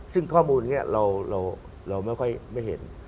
ซึ่งข้อมูลนี้เราไม่ค่อยไม่เห็น